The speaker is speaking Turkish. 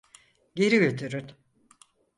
Geri götürün.